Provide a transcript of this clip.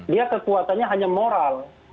dia kekuatannya hanya moral